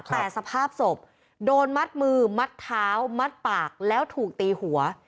แต่สภาพศพโดนมัดมือมัดเท้ามัดปากแล้วถูกตีหัว